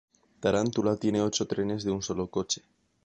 Tarántula tiene ocho trenes de un solo coche.